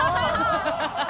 ハハハハ！